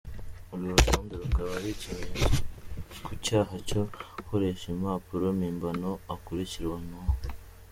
Urwo rutonde rukaba ari ikimenyetso ku cyaha cyo gukoresha impapuro mpimbano akurikiranweho.